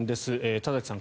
田崎さん